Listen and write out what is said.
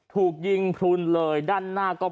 ถูกยิงพลุนเลยด้านหน้าก็